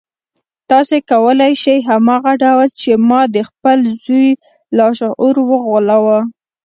تاسې کولای شئ هماغه ډول چې ما د خپل زوی لاشعور وغولاوه.